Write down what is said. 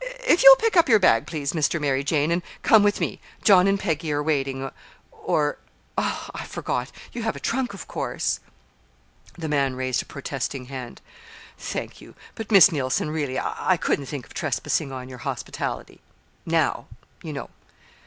"If you'll pick up your bag, please, Mr. Mary Jane, and come with me. John and Peggy are waiting. Or I forgot you have a trunk, of course?" The man raised a protesting hand. "Thank you; but, Miss Neilson, really I couldn't think of trespassing on your hospitality now, you know."